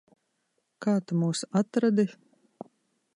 Kā tu mūs atradi?